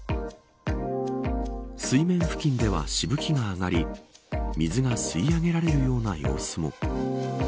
水面付近ではしぶきが上がり水が吸い上げられるような様子も。